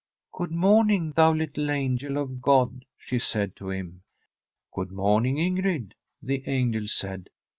* Good morning, thou little angel of God,' she said to him. ' Good morning, Ingrid,' the angel said.